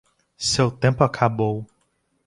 Seu tempo acabou